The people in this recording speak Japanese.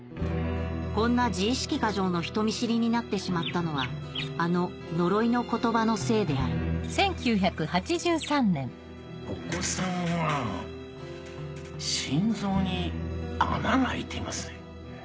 こんな自意識過剰の人見知りになってしまったのはあの呪いの言葉のせいであるお子さんは心臓に穴が開いていますね。